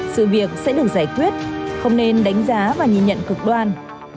sự việc sẽ được giải quyết không nên đánh giá và nhìn nhận cực đoan